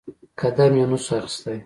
قدم يې هم نسو اخيستى.